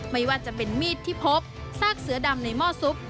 ไม่ว่าจะเป็นมีดที่พบซากเสือดำในหม้อซุป